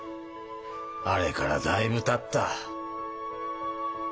あれからだいぶたった。